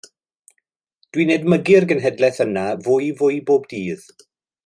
Dwi'n edmygu'r genhedlaeth yna fwy fwy bob dydd.